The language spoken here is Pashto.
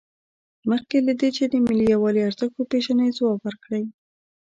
مخکې له دې چې د ملي یووالي ارزښت وپیژنئ ځواب ورکړئ.